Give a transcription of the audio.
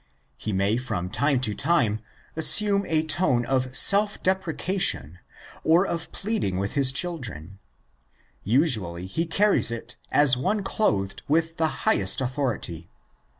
He may from time to time assume a tone of self deprecation or of pleading with his children : usually he carries it as one clothed with the highest authority (i.